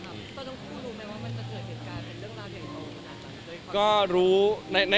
ต้องคุ้มรู้ไหมว่ามันจะเกิดเหตุการณ์เป็นเรื่องราวใหญ่โตขนาดนั้น